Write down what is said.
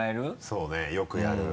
そうねよくやる。